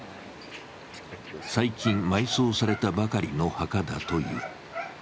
最近、埋葬されたばかりの墓だという。